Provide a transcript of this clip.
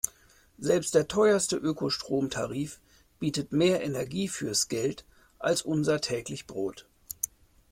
Selbst der teuerste Ökostromtarif bietet mehr Energie fürs Geld als unser täglich Brot.